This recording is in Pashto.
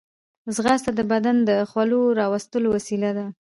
ځغاسته د بدن د خولو راوړلو وسیله ده